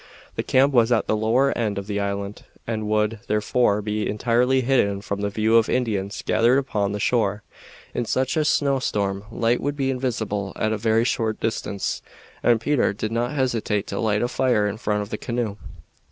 The camp was at the lower end of the island and would, therefore, be entirely hidden from view of Indians gathered upon the shore. In such a snowstorm light would be invisible at a very short distance, and Peter did not hesitate to light a fire in front of the canoe.